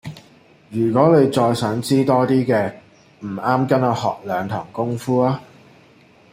如果你再想知多啲嘅，唔啱跟我學兩堂功夫吖